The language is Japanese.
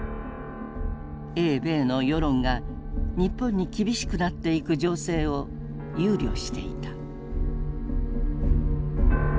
英米の世論が日本に厳しくなっていく情勢を憂慮していた。